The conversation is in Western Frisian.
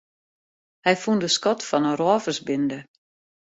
Hy fûn de skat fan in rôversbinde.